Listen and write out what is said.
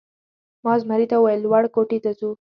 ما زمري ته وویل: لوړ کوټې ته ځو؟